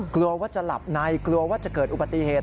กลัวว่าจะหลับในกลัวว่าจะเกิดอุบัติเหตุ